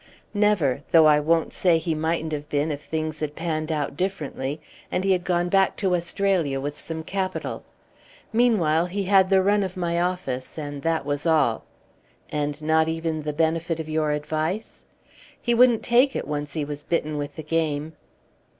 "Never; though I won't say he mightn't have been if things had panned out differently, and he had gone back to Westralia with some capital. Meanwhile he had the run of my office, and that was all." "And not even the benefit of your advice?" "He wouldn't take it, once he was bitten with the game."